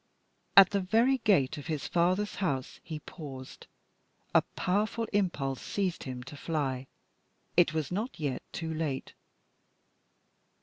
At the very gate of his father's house he paused. A powerful impulse seized him to fly. It was not yet too late.